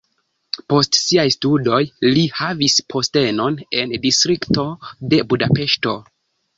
Post siaj studoj li havis postenon en distrikto de Budapeŝto.